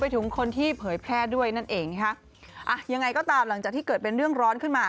ถึงคนที่เผยแพร่ด้วยนั่นเองนะคะอ่ะยังไงก็ตามหลังจากที่เกิดเป็นเรื่องร้อนขึ้นมา